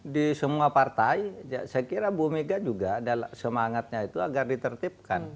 di semua partai saya kira bu mega juga semangatnya itu agar ditertipkan